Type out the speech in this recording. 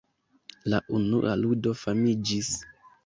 La unua ludo famiĝis.